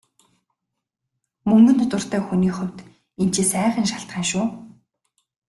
Мөнгөнд дуртай хүний хувьд энэ чинь сайхан шалтгаан шүү.